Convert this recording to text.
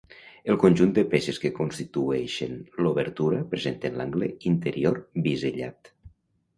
El conjunt de peces que constitueixen l'obertura presenten l'angle interior bisellat.